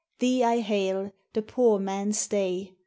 thee I hail, the poor man's day.